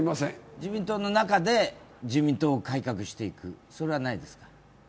自民党の中で自民党を改革していく、それはないですか？